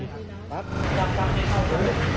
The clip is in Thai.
พี่หนึ่งเป็นอย่างไรบ้างครับพี่หนึ่งเกียจไหมพี่